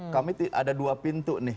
kami ada dua pintu nih